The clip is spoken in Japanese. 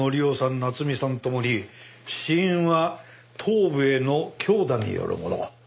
夏美さんともに死因は頭部への強打によるもの。